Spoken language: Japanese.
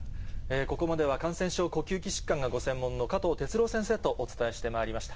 ここまでは、感染症、呼吸器疾患がご専門の、加藤哲朗先生とお伝えしてまいりました。